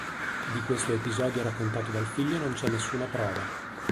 Di questo episodio raccontato dal figlio non c'è nessuna prova.